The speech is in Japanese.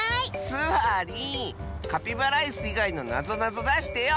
スワリンカピバライスいがいのなぞなぞだしてよ。